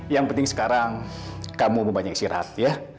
yang penting sekarang kamu memanjang istirahat ya